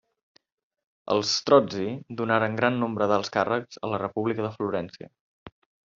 Els Strozzi donaren gran nombre d'alts càrrecs a la República de Florència.